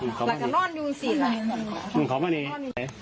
หลังนอนอยู่สิเหรอหลังนอนอยู่สิเหรอหลังนอนอยู่สิเหรอ